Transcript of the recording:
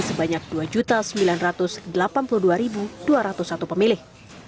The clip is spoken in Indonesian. pemilih tetap pilkada balikan ini sebanyak dua sembilan ratus delapan puluh dua dua ratus satu pemilih